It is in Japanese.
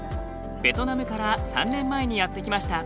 ベトナムから３年前にやって来ました。